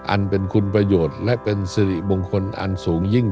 อันเป็นคุณประโยชน์และเป็นสิริมงคลอันสูงยิ่ง